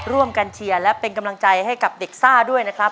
เชียร์และเป็นกำลังใจให้กับเด็กซ่าด้วยนะครับ